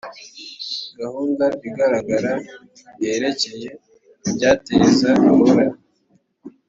Gahunda igaragara yerekeye ibyateza ingorane